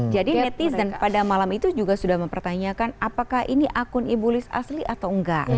jadi netizen pada malam itu juga sudah mempertanyakan apakah ini akun ibulis asli atau enggak